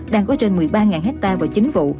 đang có trên một mươi ba hectare vào chính vụ